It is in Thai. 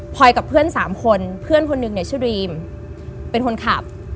พอยกับเพื่อน๓คนเพื่อนคนหนึ่งเนี่ยชื่อดรีมเป็นคนขับ